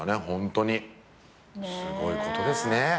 ホントにすごいことですね。